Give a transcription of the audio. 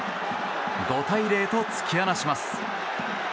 ５対０と突き放します。